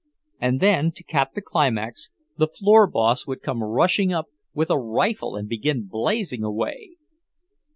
And then, to cap the climax, the floor boss would come rushing up with a rifle and begin blazing away!